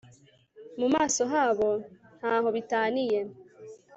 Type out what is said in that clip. Mu maso habo ntaho bitaniye